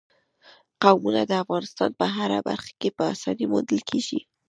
قومونه د افغانستان په هره برخه کې په اسانۍ موندل کېږي.